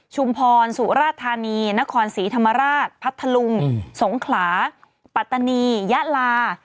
ชุมพรสุราธานีนครศรีธรรมราชพัทธลุงสงขลาปัตตานียะลา